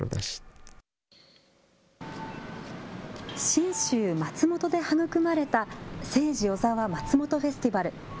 信州、松本で育まれたセイジ・オザワ松本フェスティバル。